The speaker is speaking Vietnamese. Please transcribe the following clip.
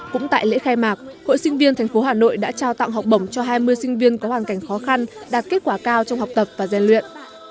cũng tại lễ khai mạc hội sinh viên tp hà nội đã trao tặng học bổng cho hai mươi sinh viên có hoàn cảnh khó khăn đạt kết quả cao trong học tập và gian luyện